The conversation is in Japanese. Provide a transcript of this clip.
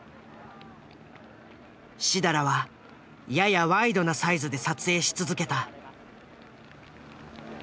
設楽はややワイドなサイズで撮影し続けた。